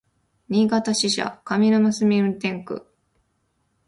新潟支社上沼垂運転区